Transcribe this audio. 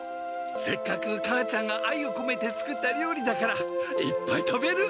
せっかく母ちゃんが愛をこめて作った料理だからいっぱい食べる。